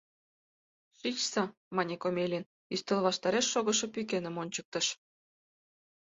— Шичса, — мане Комелин, ӱстел ваштареш шогышо пӱкеным ончыктыш.